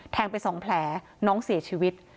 แทงไป๒แผลน้องเสียชีวิต